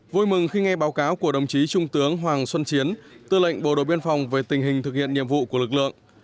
vui mừng khi nghe báo cáo của đồng chí trung tướng hoàng xuân chiến tư lệnh bộ đội biên phòng về tình hình thực hiện nhiệm vụ của lực lượng